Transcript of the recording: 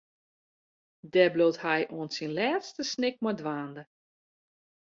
Dêr bliuwt hy oant syn lêste snik mei dwaande.